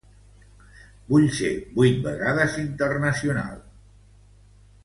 Va ser vuit vegades internacional per Espanya.